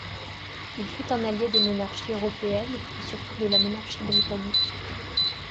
Il fut un allié des monarchies européennes, et surtout de la monarchie britannique.